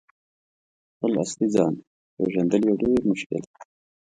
» خپل اصلي ځان « پیژندل یو ډیر مشکل